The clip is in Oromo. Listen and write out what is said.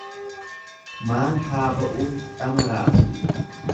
Maal haa ba'uuf dhama raasu.